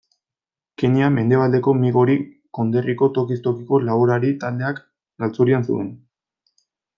Kenya mendebaldeko Migori konderriko tokiz tokiko laborari taldeak galtzorian zeuden.